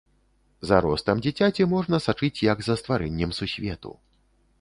За ростам дзіцяці можна сачыць як за стварэннем сусвету.